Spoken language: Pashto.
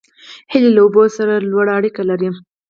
هیلۍ له اوبو سره لوړه اړیکه لري